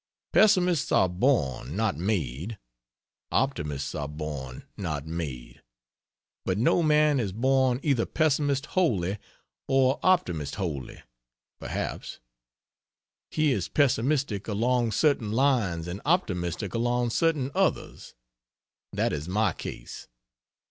Pessimists are born not made; optimists are born not made; but no man is born either pessimist wholly or optimist wholly, perhaps; he is pessimistic along certain lines and optimistic along certain others. That is my case.